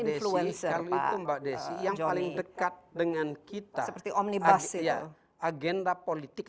kalau itu mbak desy yang paling dekat dengan kita agenda politik